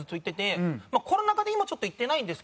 コロナ禍で今ちょっと行ってないんですけど。